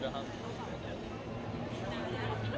ก้อนหนึ่งโบสถ์เหรอครับ